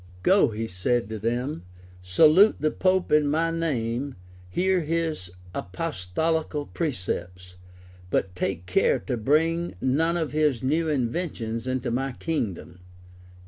"Go," said he to them, "salute the pope in my name; hear his apostolical precepts; but take care to bring none of his new inventions into my kingdom."